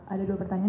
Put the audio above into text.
ada dua pertanyaan